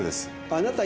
あなた